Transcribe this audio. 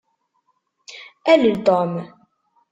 Alel Tom.